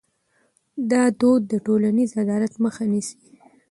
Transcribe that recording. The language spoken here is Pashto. دا دود د ټولنیز عدالت مخه نیسي.